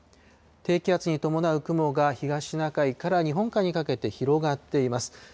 低気圧に伴う雲が東シナ海から日本海にかけて広がっています。